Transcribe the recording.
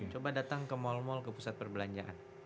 coba datang ke mall mall ke pusat perbelanjaan